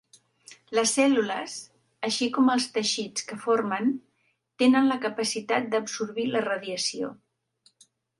Les cèl·lules, així com els teixits que formen, tenen la capacitat d’absorbir la radiació.